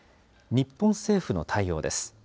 日本政府の対応です。